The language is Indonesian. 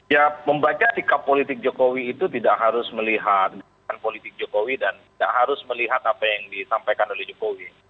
ya membaca sikap politik jokowi itu tidak harus melihat politik jokowi dan tidak harus melihat apa yang disampaikan oleh jokowi